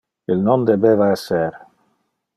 Il non debeva esser.